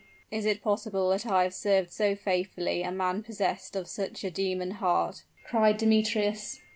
"Is it possible that I have served so faithfully a man possessed of such a demon heart?" cried Demetrius.